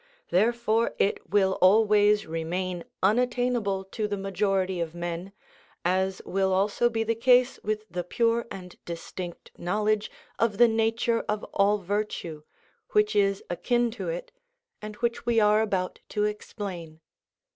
Therefore it will always remain unattainable to the majority of men, as will also be the case with the pure and distinct knowledge of the nature of all virtue, which is akin to it, and which we are about to explain.